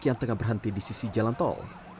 yang tengah berhenti di sisi jalan tol